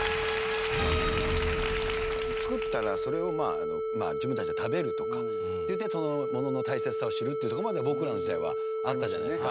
作ったらそれを自分たちで食べるとかっていってものの大切さを知るっていうとこまでは僕らの時代はあったじゃないですか。